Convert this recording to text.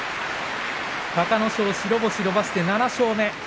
隆の勝、白星を伸ばして７勝目。